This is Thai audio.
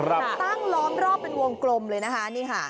ตั้งล้อมรอบเป็นวงกลมเลยนะคะนี่ค่ะ